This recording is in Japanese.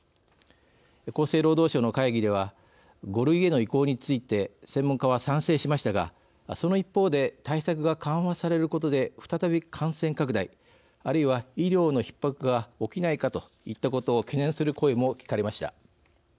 厚生労働省の会議では５類への移行について専門家は賛成しましたがその一方で対策が緩和されることで再び感染拡大、あるいは医療のひっ迫が起きないかといったことを懸念する声も聞かれました。